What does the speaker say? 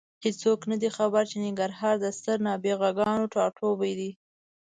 هېڅوک نه دي خبر چې ننګرهار د ستر نابغه ټاټوبی دی.